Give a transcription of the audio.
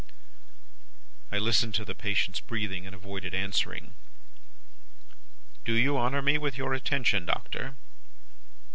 "I listened to the patient's breathing, and avoided answering. "'Do you honour me with your attention, Doctor?